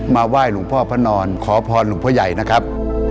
ไหว้หลวงพ่อพระนอนขอพรหลวงพ่อใหญ่นะครับ